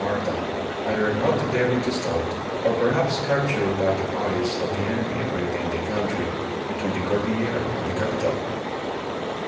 Marta, either not daring to start, or perhaps captured by the parties of the enemy raiding the country between the Cordillera and the capital.